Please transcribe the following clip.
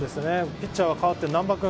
ピッチャーが代わって難波君。